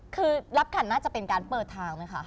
คือรับขันน่าจะเป็นการเปิดทางไหมคะ